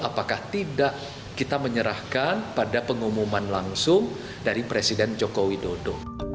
apakah tidak kita menyerahkan pada pengumuman langsung dari presiden joko widodo